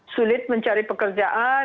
karena sulit mencari pekerjaan